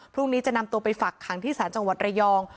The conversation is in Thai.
พรุ่งนี้จะนำตัวไปฝักขังที่ศาลจังหวัดระยอง